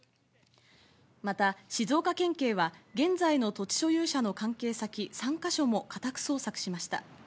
また静岡県警は、現在の土地所有者の関係先３か所も家宅捜索しました。